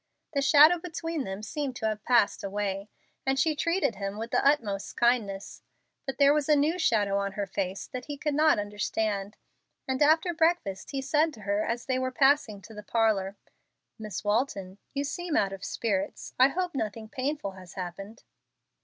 The shadow between them seemed to have passed away, and she treated him with the utmost kindness. But there was a new shadow on her face that he could not understand, and after breakfast he said to her as they were passing to the parlor, "Miss Walton, you seem out of spirits. I hope nothing painful has happened."